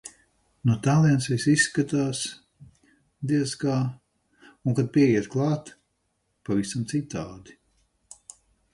No tālienes viss izskatās, diez kā, un kad pieiet klāt - pavisam citādi.